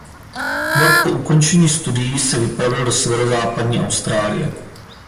Rok po ukončení studií se vypravil do severozápadní Austrálie.